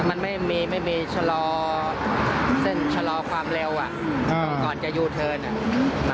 มันไม่มีชะลอเส้นชะลอความเร็วก่อนจะยูเทินน่ะ